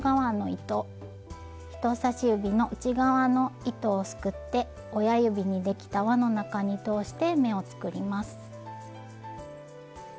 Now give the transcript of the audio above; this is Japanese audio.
人さし指の内側の糸をすくって親指にできた輪の中に通して目を作ります。